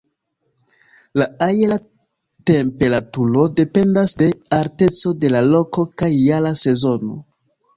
La aera temperaturo dependas de alteco de la loko kaj jara sezono.